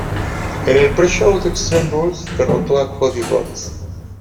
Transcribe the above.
En el "Pre-Show" de "Extreme Rules" derrotó a Cody Rhodes.